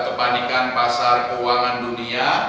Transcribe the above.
kepanikan pasar keuangan dunia